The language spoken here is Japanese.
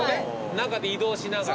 中で移動しながら。